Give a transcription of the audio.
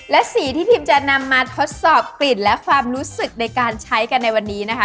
และสีที่พิมจะนำมาทดสอบกลิ่นและความรู้สึกในการใช้กันในวันนี้นะคะ